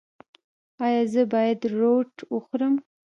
ایا زه باید روټ وخورم؟